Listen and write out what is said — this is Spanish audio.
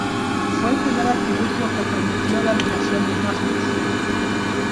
Fue el primer artilugio que permitió la animación de imágenes.